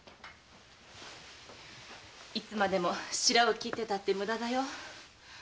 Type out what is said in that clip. いつまでもシラを切ってたって無駄だよ。